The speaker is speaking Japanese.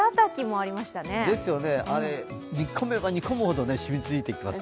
あれ、煮込めば煮込むほど染みついていきます